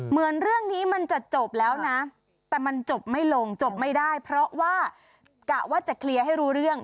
เหมือนเรื่องนี้มันจะจบแล้วนะแต่มันจบไม่ลงจบไม่ได้เพราะว่ากะว่าจะเคลียร์ให้รู้เรื่อง